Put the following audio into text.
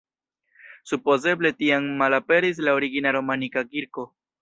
Supozeble tiam malaperis la origina romanika kirko.